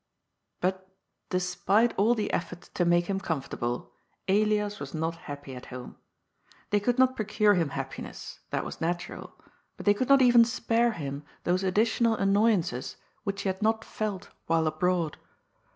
But, despite all the efforts to make him comfortable, Elias was not happy at home. They could not procure him happiness — ^that was natural — ^but they could not even spare him those additional annoyances which he had not felt while abroad.